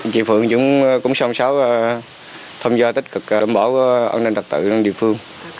chị phượng cũng xong xáo thông do tích cực đồng bảo an ninh đặc tự đồng địa phương